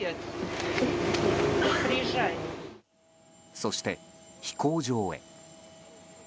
そして、飛行場へ。